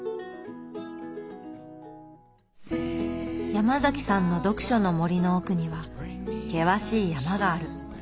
ヤマザキさんの読書の森の奥には険しい山がある。